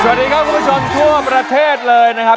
สวัสดีครับคุณผู้ชมทั่วประเทศเลยนะครับ